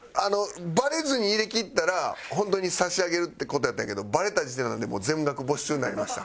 バレずに入れきったら本当に差し上げるって事やったんやけどバレた時点なのでもう全額没収になりました。